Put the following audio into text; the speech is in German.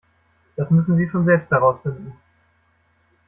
Das müssen Sie schon selbst herausfinden.